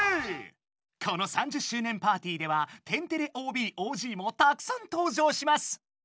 この３０周年パーティーでは天てれＯＢ・ＯＧもたくさん登場します。